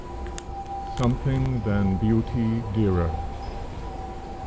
"SOMETHING THAN BEAUTY DEARER."